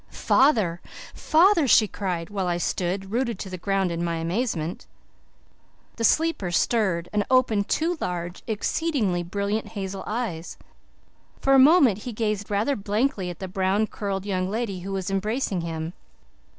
"Father! Father!" she cried, while I stood, rooted to the ground in my amazement. The sleeper stirred and opened two large, exceedingly brilliant hazel eyes. For a moment he gazed rather blankly at the brown curled young lady who was embracing him.